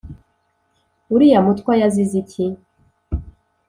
«uriya mutwa yazize iki’»